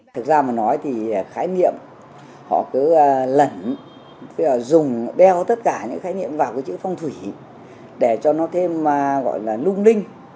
thực ra mà nói thì khái niệm họ cứ lẩn dùng đeo tất cả những khái niệm vào cái chữ phong thủy để cho nó thêm gọi là lung linh